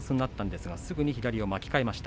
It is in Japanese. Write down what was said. すぐに左を巻き替えしました。